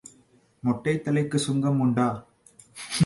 மொட்டைத்தலைக்குச் சுங்கம் உண்டா?